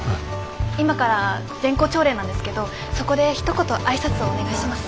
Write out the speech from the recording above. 今から全校朝礼なんですけどそこでひと言挨拶をお願いします。